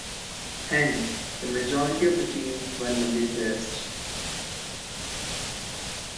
Hence, the majority of the teams were in the Midwest.